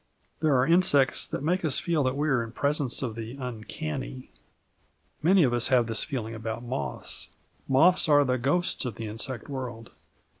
There are insects that make us feel that we are in presence of the uncanny. Many of us have this feeling about moths. Moths are the ghosts of the insect world.